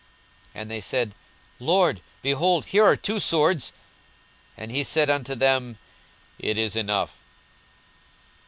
42:022:038 And they said, Lord, behold, here are two swords. And he said unto them, It is enough.